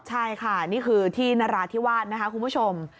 ใช่ค่ะนี่คือที่นราธิวาสนะคะคุณผู้ชม